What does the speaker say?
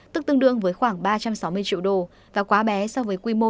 tức tương đương với khoảng ba trăm sáu mươi triệu đô và quá bé so với quy mô